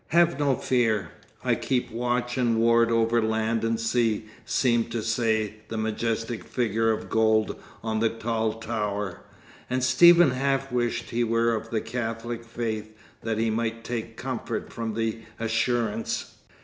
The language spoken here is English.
"Have no fear: I keep watch and ward over land and sea," seemed to say the majestic figure of gold on the tall tower, and Stephen half wished he were of the Catholic faith, that he might take comfort from the assurance.